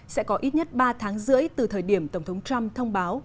sẽ có ít nhất ba tháng rưỡi từ thời điểm tổng thống trump thông báo